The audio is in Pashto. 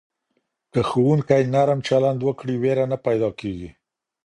که ښوونکی نرم چلند وکړي، ویره نه پیدا کېږي.